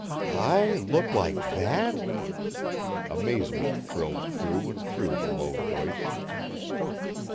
"I look like that!" Amazement thrilled through and through the low voice.